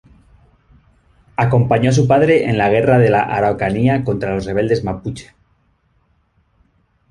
Acompañó a su padre en la guerra de la Araucanía contra los rebeldes mapuche.